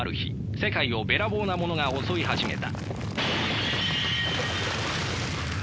世界をべらぼうなものが襲い始めた。